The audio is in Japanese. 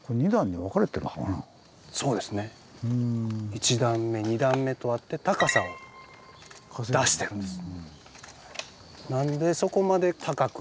１段目２段目とあって高さを出してるんです。